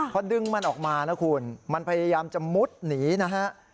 พอดึงมันออกมานะคุณมันพยายามจะมุดหนีนะฮะ